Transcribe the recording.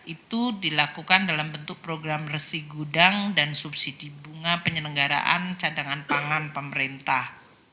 itu dilakukan dalam bentuk program resi gudang dan subsidi bunga penyelenggaraan cadangan pangan pemerintah